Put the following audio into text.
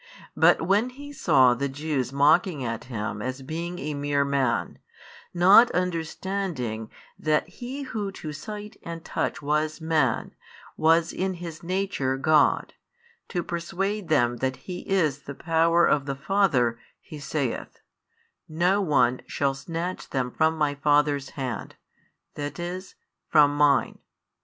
But when He saw the Jews mocking at Him as being a mere man, not understanding that He Who to sight and touch was Man was in His Nature God, to persuade them that He is the power of the Father, He saith: No one shall snatch them from My Father's hand, that is, from Mine.